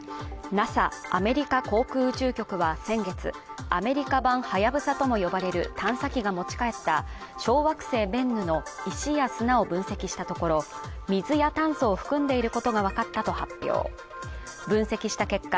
ＮＡＳＡ＝アメリカ航空宇宙局は先月アメリカ版はやぶさとも呼ばれる探査機が持ち帰った小惑星ベンヌの石や砂を分析したところ水や炭素を含んでいることが分かったと発表分析した結果